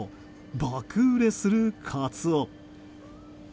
爆売れするカツオ。